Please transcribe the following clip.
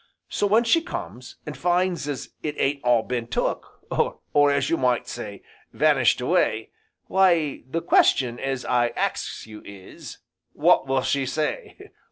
So when she comes, an' finds as it ain't all been took, or, as you might say, vanished away, why the question as I ax's you is, w'ot will she say?